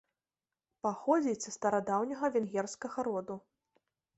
Паходзіць са старадаўняга венгерскага роду.